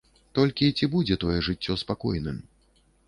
Толькі ці будзе тое жыццё спакойным?